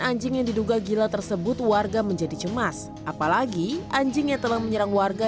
anjing yang diduga gila tersebut warga menjadi cemas apalagi anjing yang telah menyerang warga